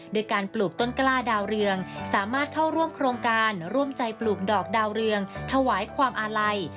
โดยการปลูกต้นกล้าดาวเรืองสามารถเข้าร่วมโครงการร่วมใจปลูกดอกดาวเรืองถวายความอาลัย